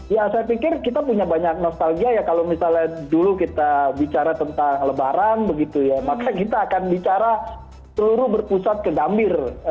ya saya pikir kita punya banyak nostalgia ya kalau misalnya dulu kita bicara tentang lebaran begitu ya maka kita akan bicara seluruh berpusat ke gambir